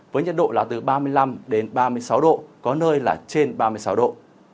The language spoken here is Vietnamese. với nhiệt độ là từ ba mươi năm ba mươi sáu độ có nơi là trên ba mươi sáu độ